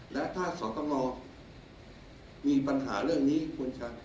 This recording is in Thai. และถ้าสตงมีปัญหาเรื่องนี้ควรจะ